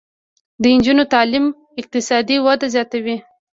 د نجونو تعلیم اقتصادي وده زیاتوي.